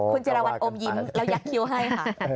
คุณจีราวันอมยิ้มแล้วยักคิวให้ค่ะ